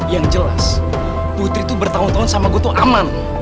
yang jelas putri itu bertahun tahun sama gue tuh aman